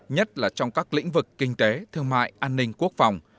nhất là trong các lĩnh vực kinh tế thương mại an ninh quốc phòng